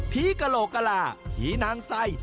พีคโกโลกระหล่าพีนางไส้